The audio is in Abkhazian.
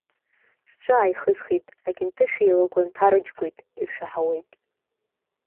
Сҿы ааихысхит, акьынтыжә еилагәа нҭарыџьгәоит, иршәаҳауеит.